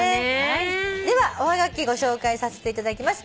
ではおはがきご紹介させていただきます。